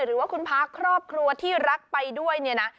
หรือว่าคุณพาครอบครัวที่รักไปด้วยเนี่ยนะ